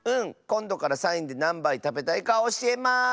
こんどからサインでなんばいたべたいかおしえます！